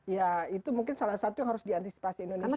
ya itu mungkin salah satu yang harus diantisipasi indonesia